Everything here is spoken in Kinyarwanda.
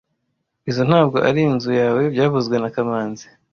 Izoi ntabwo ari inzu yawe byavuzwe na kamanzi